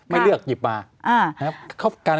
ไม่เลือกหยิบมา